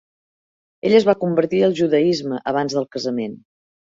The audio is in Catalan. Ella es va convertir al judaisme abans del casament.